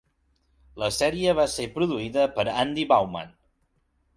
La sèrie va ser produïda per Andy Bauman.